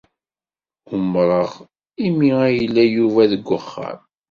Umreɣ imi ay yella Yuba deg wexxam.